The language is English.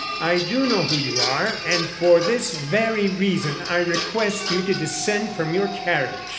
I do know who you are, and, for this very reason, I request you to descend from your carriage.